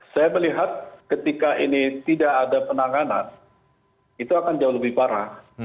saya melihat ketika ini tidak ada penanganan itu akan jauh lebih parah